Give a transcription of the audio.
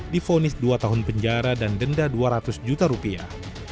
difonis dua tahun penjara dan denda dua ratus juta rupiah